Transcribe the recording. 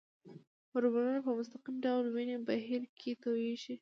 هورمونونه په مستقیم ډول وینې بهیر کې تویېږي.